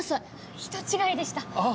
人違いでした。